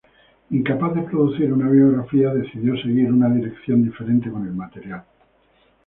Incapaz de producir una biografía, decidió seguir una dirección diferente con el material.